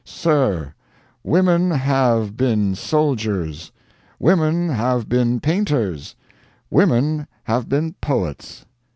] Sir, women have been soldiers, women have been painters, women have been poets.